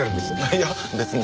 いや別に。